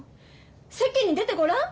世間に出てごらん。